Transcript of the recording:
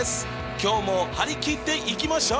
今日もはりきって行きましょ！